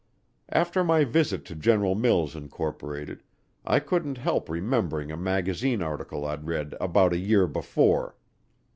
After my visit to General Mills, Inc., I couldn't help remembering a magazine article I'd read about a year before.